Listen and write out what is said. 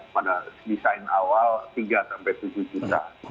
pada desain awal tiga sampai tujuh juta